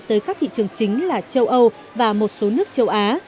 tới các thị trường chính là châu âu và một số nước châu á